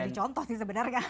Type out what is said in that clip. gak jadi contoh sih sebenernya